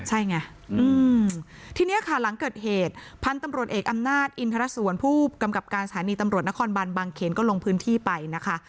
ใช่ไงทีนี้ค่ะหลังเกิดเหตุพันธุ์ตำรวจเอกอำนาจอินทรสวนผู้กำกับการสถานีตำรวจนครบันบางเขนก็ลงพื้นที่ไปนะคะ